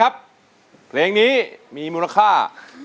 กลับไปก่อนที่สุดท้าย